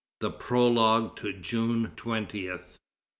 THE PROLOGUE TO JUNE TWENTIETH.